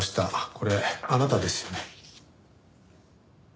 これあなたですよね？